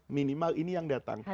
minimal ini yang datang